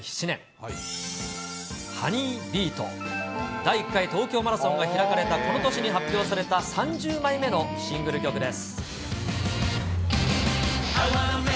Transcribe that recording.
第１回東京マラソンが開かれたこの年に発表された３０枚目のシングル曲です。